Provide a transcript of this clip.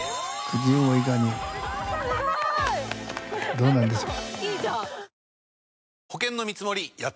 どうなんでしょう？